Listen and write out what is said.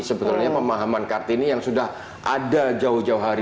sebetulnya pemahaman kartini yang sudah ada jauh jauh hari